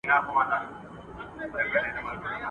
o واى توتکۍ بې ازاره ده، واى د چمن د چينجيانو څخه پوښتنه وکه.